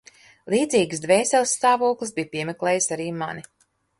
Līdzīgs dvēseles stāvoklis bija piemeklējis arī mani.